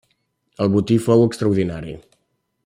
El botí fou extraordinari.